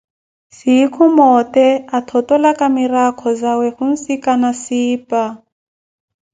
Sinkhu moote, athottolaka mirakho zawe, khunsikana Siipa.